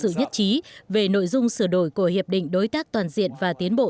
họ đã đặt sự nhất trí về nội dung sửa đổi của hiệp định đối tác toàn diện và tiến bộ